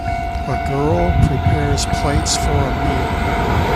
A girl prepares plates for a meal.